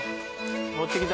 持ってきた。